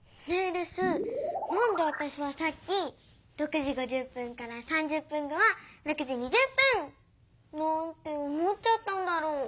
レスなんでわたしはさっき６時５０分から３０分後は６時２０分！なんて思っちゃったんだろう？